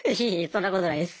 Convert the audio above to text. そんなことないです。